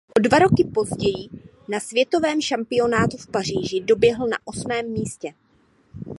O dva roky později na světovém šampionátu v Paříži doběhl na osmém místě.